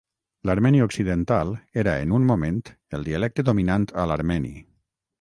L'armeni occidental era en un moment el dialecte dominant a l'armeni.